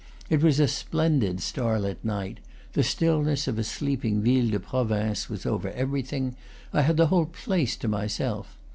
It was a splendid starlight night; the stillness of a sleeping ville de province was over everything; I had the whole place to myself.